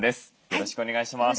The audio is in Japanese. よろしくお願いします。